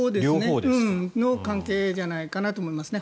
その関係じゃないかなと思いますね。